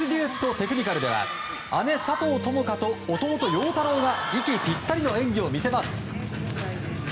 テクニカルでは姉・佐藤友花と弟・陽太郎が息ぴったりの演技を見せます。